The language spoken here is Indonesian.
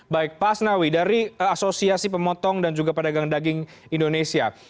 baik pak asnawi dari asosiasi pemotong dan juga pedagang daging indonesia